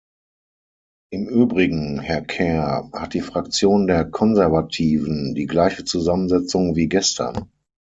Im übrigen, Herr Kerr, hat die Fraktion der Konservativen die gleiche Zusammensetzung wie gestern.